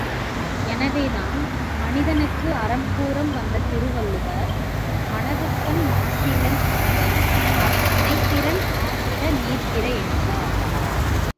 எனவேதான், மனிதனுக்கு அறம் கூற வந்த திருவள்ளுவர், மனத்துக்கண் மாசிலன் ஆதல் அனைத்தறன் ஆகுல நீர பிற என்றார்.